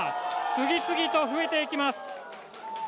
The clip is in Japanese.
次々と増えていきます。